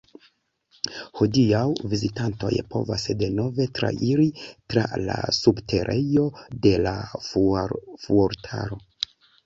Hodiaŭ vizitantoj povas denove trairi tra la subterejo de la fuortaro.